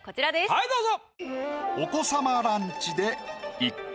はいどうぞ。